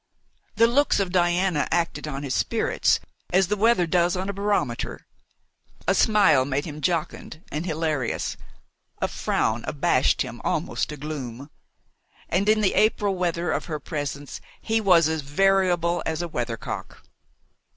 The looks of Diana acted on his spirits as the weather does on a barometer. A smile made him jocund and hilarious, a frown abashed him almost to gloom. And in the April weather of her presence he was as variable as a weather cock.